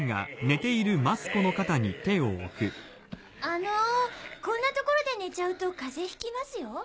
あのこんな所で寝ちゃうと風邪ひきますよ。